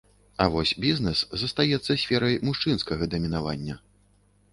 А вось бізнэс застаецца сферай мужчынскага дамінавання.